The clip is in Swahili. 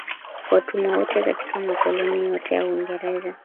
watumwa wote katika makoloni yote ya Uingereza